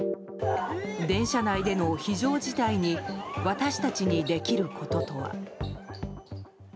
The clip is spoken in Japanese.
電車内での非常事態に私たちにできることとは。